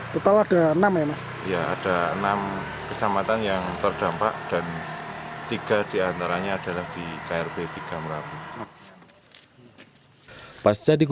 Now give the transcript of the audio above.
ketawa ada enam ya pak